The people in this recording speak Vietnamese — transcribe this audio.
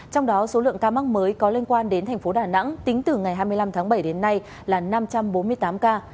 trong đó số lượng ca mắc mới có liên quan đến thành phố đà nẵng tính từ ngày hai mươi năm tháng bảy đến nay là năm trăm bốn mươi tám ca